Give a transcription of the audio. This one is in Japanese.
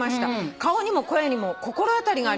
「顔にも声にも心当たりがありません」